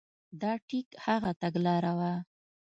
دا ټیک هغه تګلاره وه.